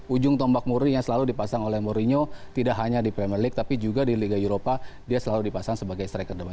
ujung tombak muri yang selalu dipasang oleh mourinho tidak hanya di premier league tapi juga di liga eropa dia selalu dipasang sebagai striker depan